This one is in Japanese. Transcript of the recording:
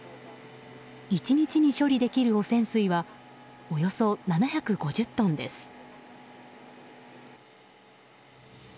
１日に処理できる汚染水はおよそ７５０トンです。